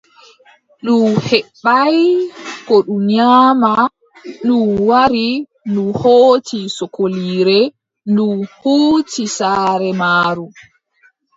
Ndu heɓaay ko ndu nyaama, ndu wari, ndu hooci sokoliire, ndu huuci saare maaru.